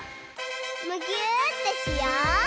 むぎゅーってしよう！